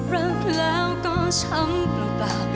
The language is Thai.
รักแล้วก็ช้ำปลอดภัย